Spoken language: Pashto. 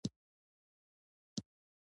زه بیا وتړل شوی حساب خلاصوم.